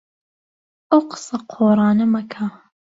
ئەو قسە قۆڕانە مەکە.